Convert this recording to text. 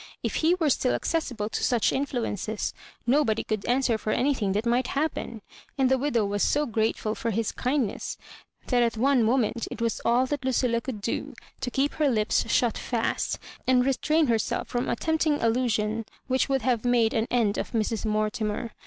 If he were still accessible to such influences, nobody could answer for anything that might happen ; and the widow was so grate ful for his kindness, that at one moment it was all that Lucilla could do to keep her lips shut fast, and restrain herself from a tempting allusion which would have made an end of Mrs. Mortimer.